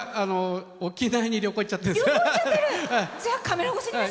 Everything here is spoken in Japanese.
沖縄に旅行行っちゃってるんです。